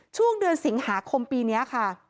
ช่วงเดือนสิงหาคมปีนี้ค่ะ